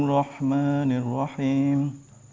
pertolongan yang muncul saat gora f meanings